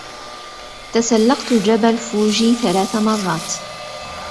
تسلقتُ جبل فوجي ثلاث مرات.